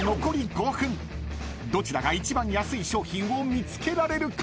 ［どちらが一番安い商品を見つけられるか？］